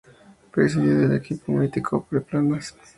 Presidía el equipo el mítico Pere Planas.